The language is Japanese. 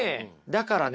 だからね